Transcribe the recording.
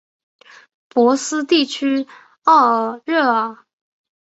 博斯地区奥尔热尔。